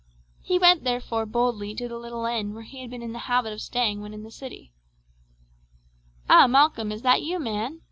He went, therefore, boldly to the little inn where he had been in the habit of staying when in the city. "Ah, Malcolm, is that you, man?"